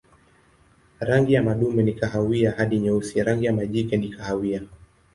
Rangi ya madume ni kahawia hadi nyeusi, rangi ya majike ni kahawia.